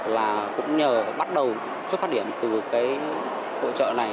là cũng nhờ bắt đầu xuất phát điểm từ cái hỗ trợ này